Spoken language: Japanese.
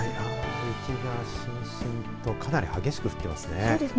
雪がしんしんとかなり激しく降ってますね。